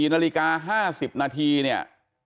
๔นาฬิกา๕๐นาทีเนี่ย